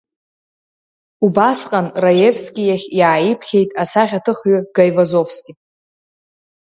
Убасҟан Раевски иахь иааиԥхьеит асахьаҭыхҩы Гаивазовски.